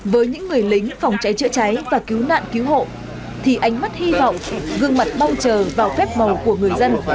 với những người lính phòng trái trợ trái và cứu nạn cứu hộ thì ánh mắt hy vọng gương mặt bao trờ vào phép màu của người dân